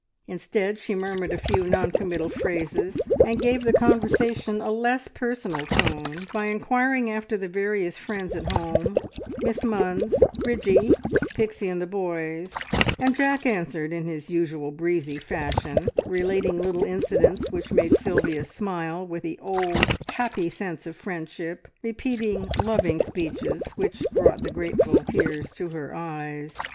Instead she murmured a few non committal phrases, and gave the conversation a less personal tone, by inquiring after the various friends at home Miss Munns, Bridgie, Pixie and the boys, and Jack answered in his usual breezy fashion, relating little incidents which made Sylvia smile with the old happy sense of friendship, repeating loving speeches, which brought the grateful tears to her eyes.